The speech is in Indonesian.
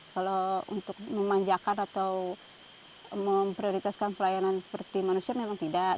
kalau untuk memanjakan atau memprioritaskan pelayanan seperti manusia memang tidak